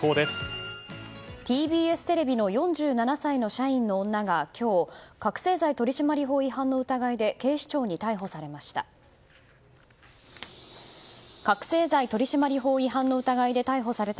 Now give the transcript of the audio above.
ＴＢＳテレビの４７歳の社員の女が今日、覚醒剤取締法違反の疑いで警視庁に逮捕されました。